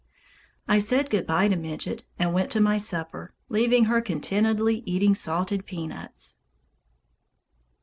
I said good bye to Midget, and went to my supper, leaving her contentedly eating salted peanuts.